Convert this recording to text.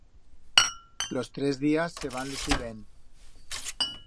Los tres días se van lucir ben.